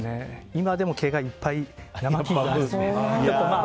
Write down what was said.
今でも、けがいっぱい。